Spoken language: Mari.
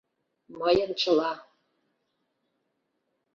Мыйын чыла!